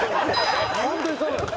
本当にそうです。